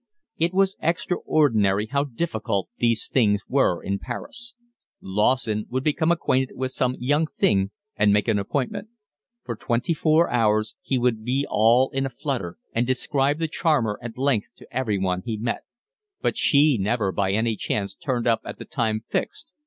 It was extraordinary how difficult these things were in Paris. Lawson would become acquainted with some young thing and make an appointment; for twenty four hours he would be all in a flutter and describe the charmer at length to everyone he met; but she never by any chance turned up at the time fixed.